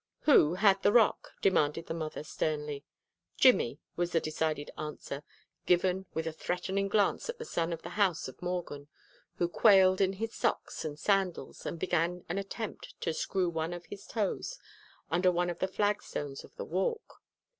"Who had the rock?" demanded the mother sternly. "Jimmy," was the decided answer, given with a threatening glance at the son of the house of Morgan, who quailed in his socks and sandals and began an attempt to screw one of his toes under one of the flagstones of the walk.